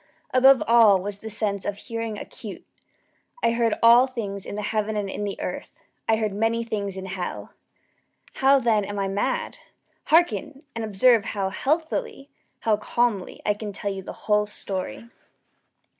Above all was the sense of hearing acute. I heard all things in the heaven and in the earth. I heard many things in hell. How, then, am I mad? Hearken! and observe how healthily how calmly I can tell you the whole story.